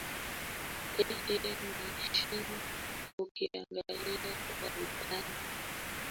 eeh uchumi ukiangalia kwa undani